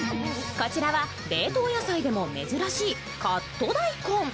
こちらは冷凍野菜でも珍しいカット大根。